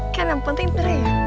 kan yang penting teriak